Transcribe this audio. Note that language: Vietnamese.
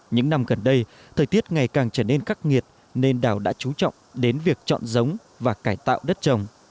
những năm gần đây thời tiết ngày càng trở nên khắc nghiệt nên đảo đã trú trọng đến việc chọn giống và cải tạo đất trồng